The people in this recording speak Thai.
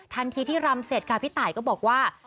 ทันทีที่รำเสร็จค่ะพี่ตายก็บอกว่า